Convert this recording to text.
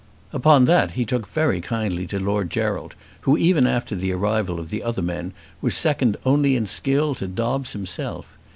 Upon that he took very kindly to Lord Gerald, who, even after the arrival of the other men, was second only in skill to Dobbes himself.